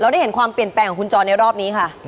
ได้เห็นความเปลี่ยนแปลงของคุณจรในรอบนี้ค่ะ